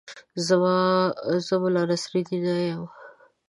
زه ملا نصرالدین نه یم.